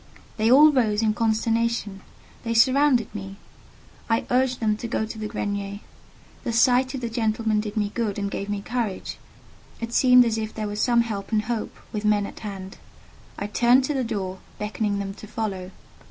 They all rose in consternation; they surrounded me. I urged them to go to the grenier; the sight of the gentlemen did me good and gave me courage: it seemed as if there were some help and hope, with men at hand. I turned to the door, beckoning them to follow.